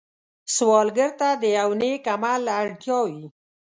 سوالګر ته د یو نېک عمل اړتیا وي